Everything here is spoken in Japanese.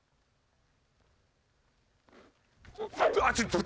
あっちょっと。